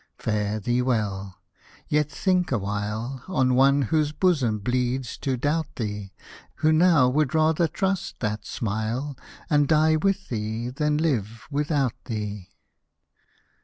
Fare thee well !— yet think awhile On one whose bosom bleeds to doubt thee ; Who now would rather trust that smile, And die with thee than live without thee.